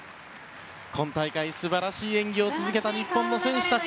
今大会、素晴らしい演技を続けた日本の選手たち。